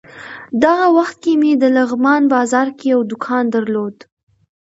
دغه وخت کې مې د لغمان بازار کې یو دوکان درلود.